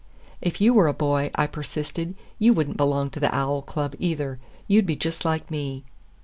"If you were a boy," I persisted, "you would n't belong to the Owl Club, either. You'd be just like me."